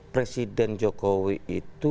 presiden jokowi itu